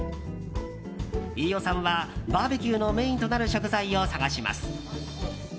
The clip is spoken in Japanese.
飯尾さんはバーベキューのメインとなる食材を探します。